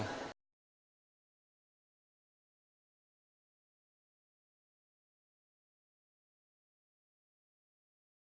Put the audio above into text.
ya kalau dua puluh persen itu saya kan bisa lima